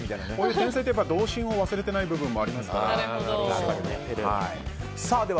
天才って童心を忘れてない部分がありますから。